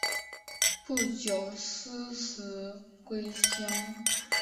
不久辞职归乡。